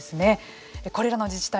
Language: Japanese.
これらの自治体